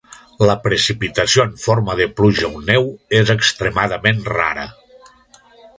La precipitació en forma de pluja o neu és extremadament rara.